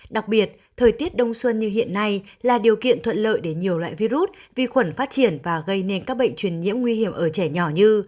đặc biệt thời tiết đông xuân như hiện nay là điều kiện thuận lợi để nhiều loại virus vi khuẩn phát triển và gây nên các bệnh truyền nhiễm nguy hiểm ở trẻ nhỏ như